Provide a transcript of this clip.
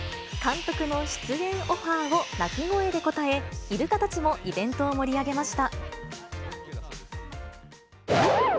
監督の出演オファーを鳴き声で答え、イルカたちもイベントを盛り上げました。